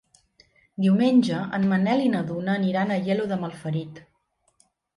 Diumenge en Manel i na Duna aniran a Aielo de Malferit.